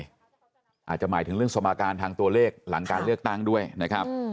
อาจจะหมายถึงเรื่องสมการทางตัวเลขหลังการเลือกตั้งด้วยนะครับ